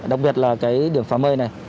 đặc biệt là điểm phà mây này